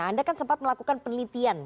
anda kan sempat melakukan penelitian